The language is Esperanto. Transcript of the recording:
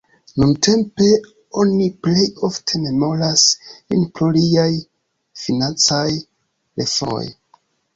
Nuntempe oni plej ofte memoras lin pro liaj financaj reformoj.